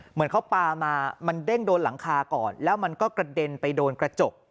เหมือนเขาปลามามันเด้งโดนหลังคาก่อนแล้วมันก็กระเด็นไปโดนกระจก